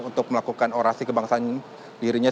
untuk melakukan orasi kebangsaan dirinya